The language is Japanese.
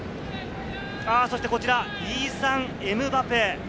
こちらイーサン・エムバペ。